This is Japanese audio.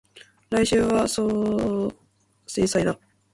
来週は相生祭だ